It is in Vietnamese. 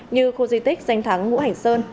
như khu di tích danh thắng ngũ hành sơn